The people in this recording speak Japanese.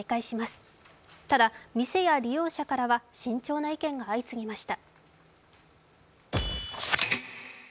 ただ、店や利用者からは慎重な意見が相次ぎました。